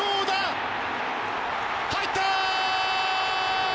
入った！